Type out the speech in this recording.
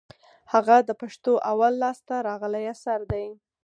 هغه د پښتو اول لاس ته راغلى اثر دئ.